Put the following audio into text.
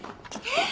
えっ？